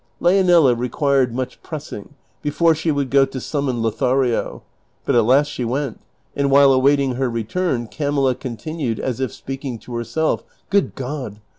Leonela recjuired much pressing before she would go to summon Lothario, but at last she went, and while awaiting her return Camilla continued, as if speaking to herself, " Good God